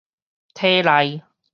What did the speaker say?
體內